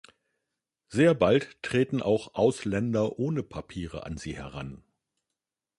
Sehr bald treten auch Ausländer ohne Papiere an sie heran.